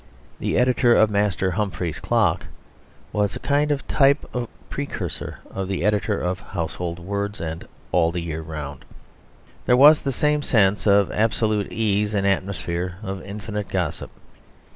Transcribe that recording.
The editor of Master Humphrey's Clock was a kind of type or precursor of the editor of Household Words and All the Year Round. There was the same sense of absolute ease in an atmosphere of infinite gossip.